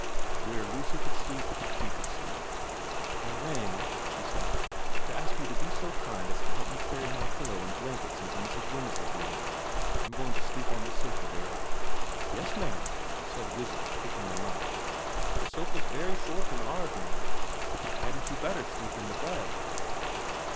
Where Lucy could sleep she could sleep. * I rang,' she said, ' to ask you to be so kind as to help me carry my pillow and blankets into Mrs. Wemyss's room. I'm going to sleep on the sofa there.' VERA 307 ' Yes ma'am,' said Lizzie, picking them up. * The sofa's very short and 'aid, ma'am. 'Adn't you better sleep in the bed